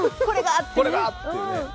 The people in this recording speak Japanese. これだ！っていうね。